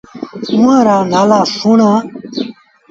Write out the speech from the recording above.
اُئآݩ رآ نآلآ سُڻآ ۔